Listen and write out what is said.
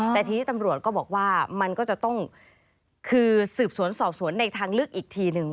แต่ทีนี้ตำรวจก็บอกว่ามันก็จะต้องคือสืบสวนสอบสวนในทางลึกอีกทีนึง